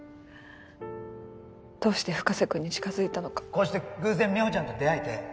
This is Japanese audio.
どうして深瀬君に近づいたのかこうして偶然美穂ちゃんと出会えて